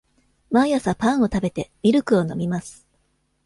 毎朝パンを食べて、ミルクを飲みます。